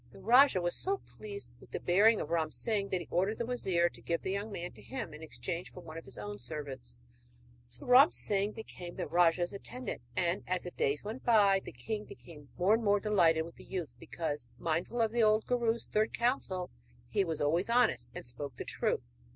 The rajah was so pleased with the bearing of Ram Singh that he ordered the wazir to give the young man to him in exchange for one of his own servants. So Ram Singh became the rajah's attendant; and as the days went by the king became more and more delighted with the youth because, mindful of the old guru's third counsel, he was always honest and spoke the truth.